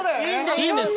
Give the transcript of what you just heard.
⁉いいんです。